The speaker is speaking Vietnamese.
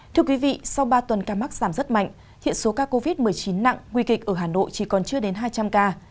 thưa quý vị sau ba tuần ca mắc giảm rất mạnh hiện số ca covid một mươi chín nặng nguy kịch ở hà nội chỉ còn chưa đến hai trăm linh ca